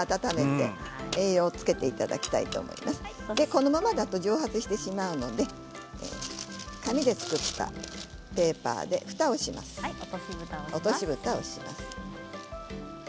このままだと蒸発してしまいますので紙で作ったペーパーで落としぶたをします。